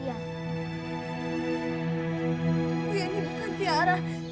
ini bukan tiara